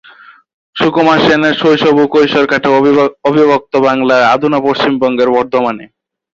সুকুমার সেনের শৈশব ও কৈশোর কাটে অবিভক্ত বাংলার অধুনা পশ্চিমবঙ্গের বর্ধমানে।